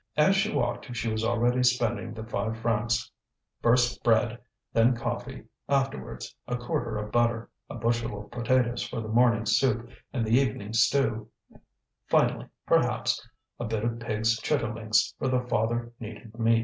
As she walked she was already spending the five francs, first bread, then coffee, afterwards a quarter of butter, a bushel of potatoes for the morning soup and the evening stew; finally, perhaps, a bit of pig's chitterlings, for the father needed meat.